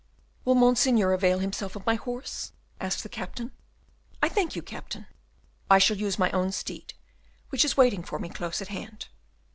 "Will Monseigneur avail himself of my horse?" asked the Captain. "I thank you, Captain, I shall use my own steed, which is waiting for me close at hand."